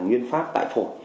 nguyên pháp tại phổi